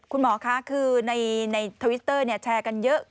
คุณหมอคะคือในทวิตเตอร์แชร์กันเยอะ